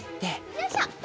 よいしょ。